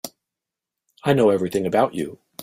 I know everything about you.